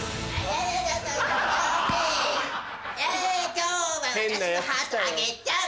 今日は私のハートあげちゃう。